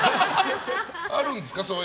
あるんですか？